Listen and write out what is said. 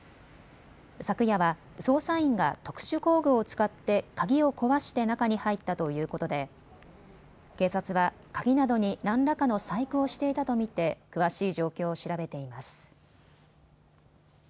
昨夜は捜査員が特殊工具を使って鍵を壊して中に入ったということで警察は鍵などに何らかの細工をしていたと見て詳しい状況を調べています。